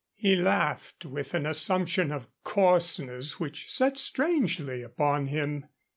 He laughed with an assumption of coarseness which sat strangely upon him.